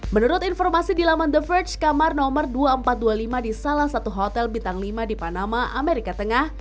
menurut informasi di laman the verge kamar nomor dua ribu empat ratus dua puluh lima di salah satu hotel bintang lima di panama amerika tengah